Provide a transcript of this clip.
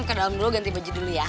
ke dalam dulu ganti baju dulu ya